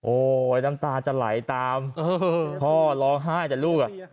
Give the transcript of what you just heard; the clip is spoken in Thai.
โอ้ยน้ำตาจะไหลตามเออพ่อร้องห้าแต่ลูกอ่ะ